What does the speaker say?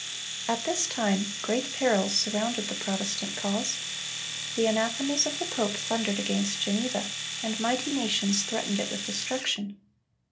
(348) At this time great perils surrounded the Protestant cause. The anathemas of the pope thundered against Geneva, and mighty nations threatened it with destruction.